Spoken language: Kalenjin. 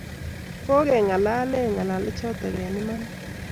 Kokie ngalale ngalek chotok eng imanit